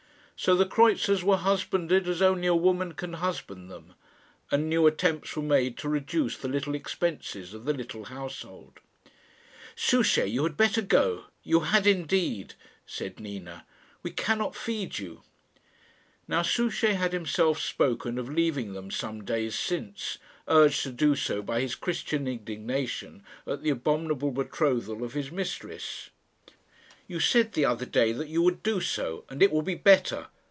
So the kreutzers were husbanded as only a woman can husband them, and new attempts were made to reduce the little expenses of the little household. "Souchey, you had better go. You had indeed," said Nina. "We cannot feed you." Now Souchey had himself spoken of leaving them some days since, urged to do so by his Christian indignation at the abominable betrothal of his mistress. "You said the other day that you would do so, and it will be better."